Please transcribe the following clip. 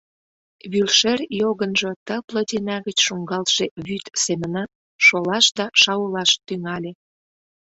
Вӱршер йогынжо ты плотина гыч шуҥгалтше вӱд семынак шолаш да шаулаш тӱҥале.